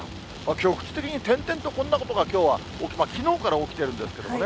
局地的に転々とこんなことがきょうは、きのうから起きているんですけどね。